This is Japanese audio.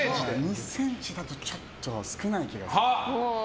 ２ｃｍだとちょっと少ない気がする。